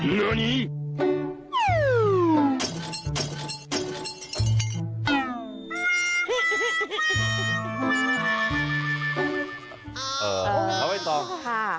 เอ่อโอเคค่ะ